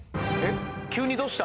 急にどうした？